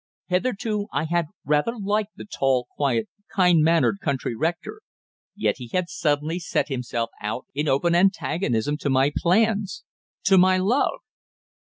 Hitherto I had rather liked the tall, quiet, kind mannered country rector. Yet he had suddenly set himself out in open antagonism to my plans to my love!